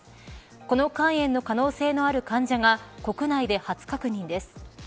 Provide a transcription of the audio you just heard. この肝炎の可能性のある患者が国内で初確認です。